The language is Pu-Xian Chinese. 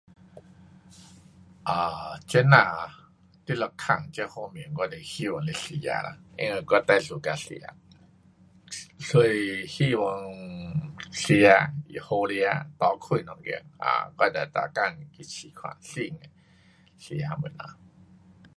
um 这那啊，你若问这方面我就希望是吃，因为我最 suka 吃。所以希望吃，好吃多开一间，我就每天去试看新的吃的东西。